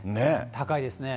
高いですね。